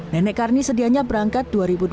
nenek karni sedianya berangkat dua ribu dua puluh